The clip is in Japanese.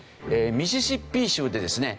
ミシシッピ州でですね